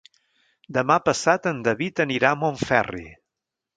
Demà passat en David anirà a Montferri.